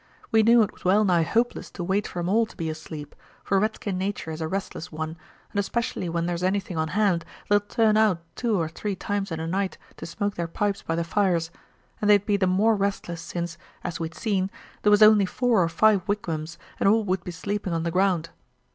We knew it was well nigh hopeless to wait for 'em all to be asleep, for redskin natur' is a restless one, and especially when there's anything on hand they'll turn out two or three times in the night to smoke their pipes by the fires, and they'd be the more restless since, as we'd seen, there was only four or five wigwams and all would be sleeping on the ground.